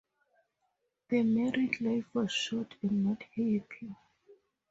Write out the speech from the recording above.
The married life was short and not happy.